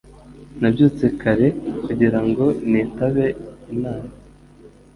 Nabyutse kare kugira ngo nitabe inama